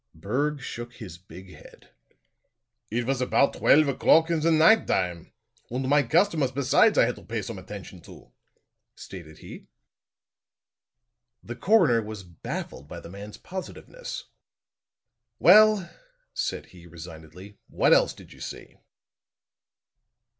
Berg shook his big head. "It was aboud twelve o'clock in the night dime, und my customers besides I had to pay some attention to," stated he. The coroner was baffled by the man's positiveness. "Well," said he, resignedly. "What else did you see?"